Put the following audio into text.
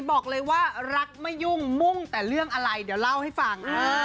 บอกเลยว่ารักไม่ยุ่งมุ่งแต่เรื่องอะไรเดี๋ยวเล่าให้ฟัง